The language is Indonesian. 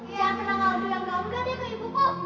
yang pernah ngaudul yang ganggar ya ke ibuku